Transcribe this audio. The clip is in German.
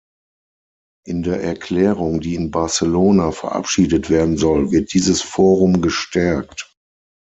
In der Erklärung, die in Barcelona verabschiedet werden soll, wird dieses Forum gestärkt.